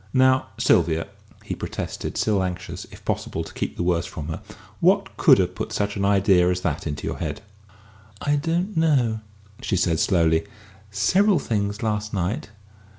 "Now, Sylvia!" he protested, still anxious, if possible, to keep the worst from her, "what could have put such an idea as that into your head?" "I don't know," she said slowly. "Several things last night.